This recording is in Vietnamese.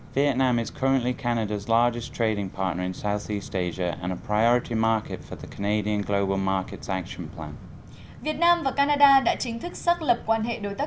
việt nam và canada đã chính thức xác lập quan hệ đối tác toàn diện đưa quan hệ của hai quốc gia bước sang một giai đoạn mới thực chất hơn và hiệu quả hơn